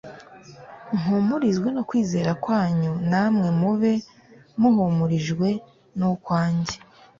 mpumurizwe no kwizera kwanyu namwe mube muhumurijwe n’ukwanjye